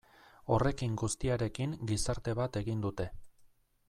Horrekin guztiarekin gizarte bat egin dute.